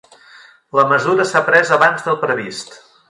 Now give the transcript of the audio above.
La mesura s'ha pres abans del previst